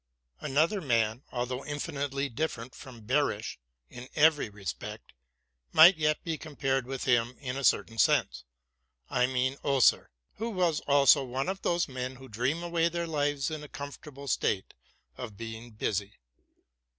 ANOTHER man, although infinitely different from Behrisch in every respect, might yet be compared with him in a cer tain sense: I mean Oeser, who was also one of those men who dream away their lives in a comfortable state of being busy.